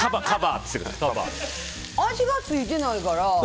味がついてないから。